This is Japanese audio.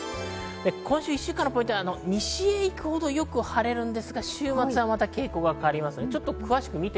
今週のポイント、西へ行くほど晴れるんですが、週末は傾向がまた変わります。